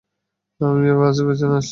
আমিও বাসের পিছনে আসছি।